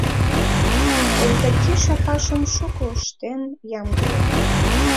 Овдаки шапашым шуко ыштен ямдылен.